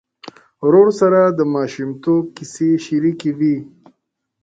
ورور سره د ماشومتوب کیسې شريکې وې.